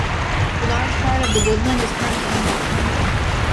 A large part of the woodland is currently owned by Tarmac.